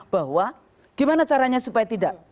bahwa gimana caranya supaya tidak